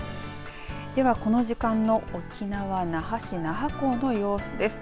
ではこの時間の沖縄那覇市那覇港の様子です。